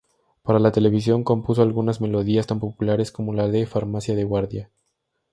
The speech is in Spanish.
Para la televisión compuso algunas melodías tan populares como la de "Farmacia de guardia".